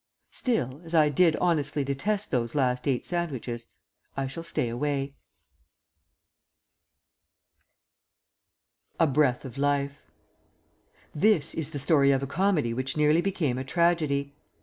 Still, as I did honestly detest those last eight sandwiches, I shall stay away. A BREATH OF LIFE This is the story of a comedy which nearly became a tragedy.